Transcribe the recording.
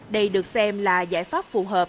đây được xem là giải pháp phù hợp